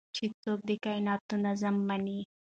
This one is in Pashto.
چې څوک د کائنات نظم مني